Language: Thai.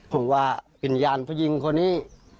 ผมว่าวิญญาณผู้หญิงคนนี้